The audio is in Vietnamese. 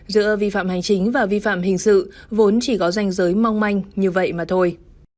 giữa vi phạm hành chính và vi phạm hình sự vốn chỉ có danh giới mong manh như vậy mà thôi